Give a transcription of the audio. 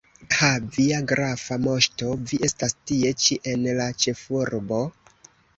Ha, via grafa moŝto, vi estas tie ĉi, en la ĉefurbo?